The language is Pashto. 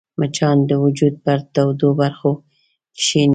مچان د وجود پر تودو برخو کښېني